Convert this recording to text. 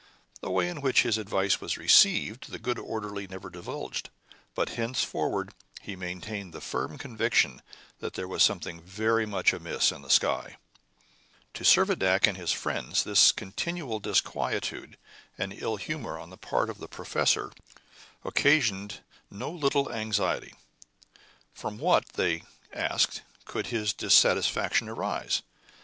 The way in which his advance was received the good orderly never divulged, but henceforward he maintained the firm conviction that there was something very much amiss up in the sky. To Servadac and his friends this continual disquietude and ill humor on the part of the professor occasioned no little anxiety. From what, they asked, could his dissatisfaction arise?